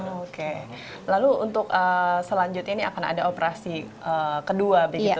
oke lalu untuk selanjutnya ini akan ada operasi kedua begitu ya